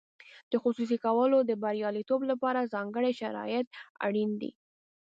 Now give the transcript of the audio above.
د خصوصي کولو د بریالیتوب لپاره ځانګړي شرایط اړین دي.